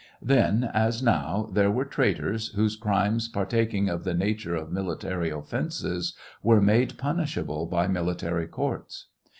Then, as no w, there were traitors, whose oiimes partaking of the nature of military offences, were made punishable by military courts.